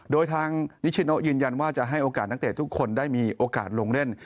โดยทางนิชิโนยืนยันว่าจะให้โอกาสนักเตะทุกคนได้มีโอกาสลงเล่น